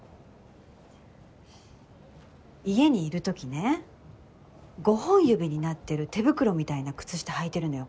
家にいる時ね５本指になってる手袋みたいな靴下履いてるのよ